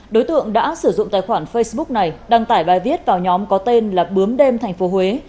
đối tượng đã sử dụng tài khoản facebook này đăng tải bài viết vào nhóm có tên là bướm đêm tp huế